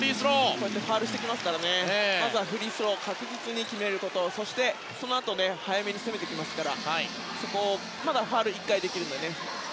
こうしてファウルしてくるのでまずはフリースローを確実に決めることそして、そのあとで早めに攻めてきますからまだファウルが１回できるのでね。